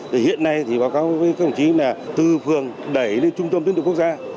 thì hiện nay thì báo cáo với công chí là từ phường đẩy lên trung tâm tuyên tục quốc gia